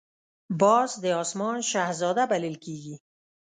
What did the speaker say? باز د آسمان شهزاده بلل کېږي